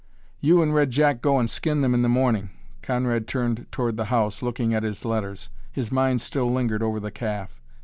"You and Red Jack go and skin them in the morning." Conrad turned toward the house, looking at his letters. His mind still lingered over the calf.